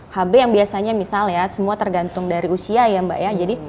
hb yang biasanya misalnya semua tergantung dari usia ya mbak ya